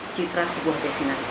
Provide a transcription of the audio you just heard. citra sebuah destinasi